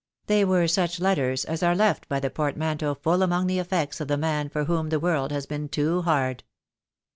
They were such letters as are left by the portmanteau full among the effects of the man for whom the world has been too hard.